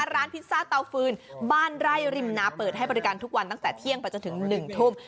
พิซซ่าเตาฟืนบ้านไร่ริมนาเปิดให้บริการทุกวันตั้งแต่เที่ยงไปจนถึง๑ทุ่ม